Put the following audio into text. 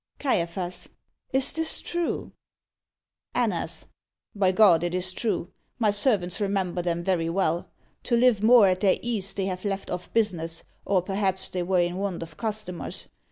CAIAPHAS. Is this true? ANNAS. By God, it is true; my servants remember them very well. To live more at their ease they have left off business; or perhaps they were in want of customers.